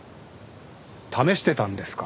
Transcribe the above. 試してたんですか？